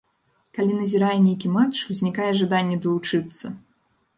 Калі назірае нейкі матч, узнікае жаданне далучыцца.